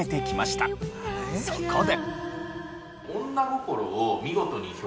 そこで。